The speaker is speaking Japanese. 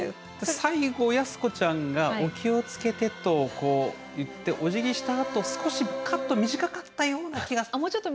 最後、安子ちゃんが「お気をつけて」と言っておじぎしたあと、少しカット短かったような気が。